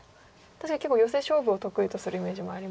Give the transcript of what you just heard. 確かに結構ヨセ勝負を得意とするイメージもありますし。